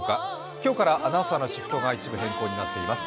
今日からアナウンサーのシフトが一部変更になっています。